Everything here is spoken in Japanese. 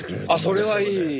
あっそれはいい。